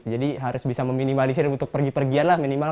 jadi harus bisa meminimalisir untuk pergi pergian minimal